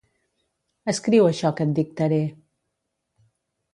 Escriu això que et dictaré.